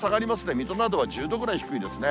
水戸などは１０度ぐらい低いですね。